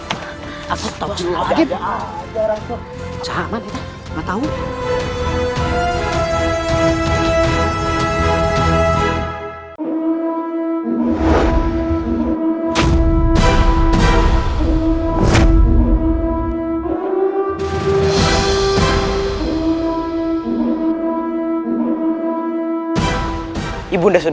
pertama yang siap biro